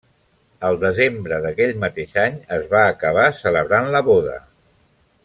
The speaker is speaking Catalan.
Al desembre d'aquell mateix any es va acabar celebrant la boda.